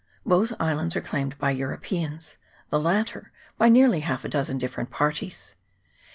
Both islands are claimed by Europeans, the lat ter by nearly half a dozen different parties.